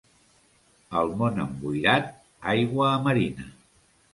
El Mont emboirat, aigua a marina.